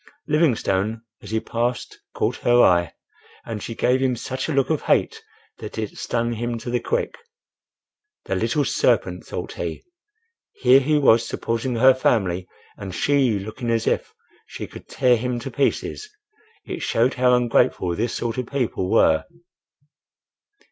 Livingstone, as he passed, caught her eye, and she gave him such a look of hate that it stung him to the quick. "The little serpent!" thought he. "Here he was supporting her family, and she looking as if she could tear him to pieces! It showed how ungrateful this sort of people were."